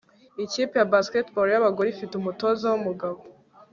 Ikipe ya basketball yabagore ifite umutoza wumugabo